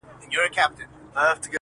روح مي نو څه وخت مهربانه په کرم نیسې.